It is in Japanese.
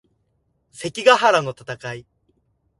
関ヶ原の戦い